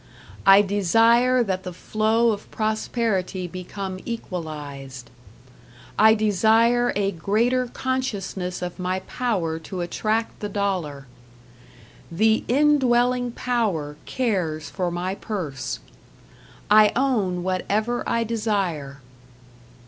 I desire that the flow of prosperity become equalized. I desire a greater consciousness of my power to attract the dollar. The Indwelling Power cares for my purse. I own whatever I desire.